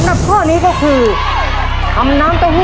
ทาราบังชุดรับแขกเนี่ยออกวางแผงในปีภศ๒๕๔๖ค่ะ